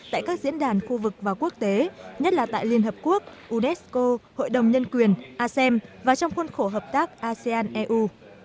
tại các diễn đàn khu vực và quốc tế nhất là tại liên hợp quốc unesco hội đồng nhân quyền asem và trong khuôn khổ hợp tác asean eu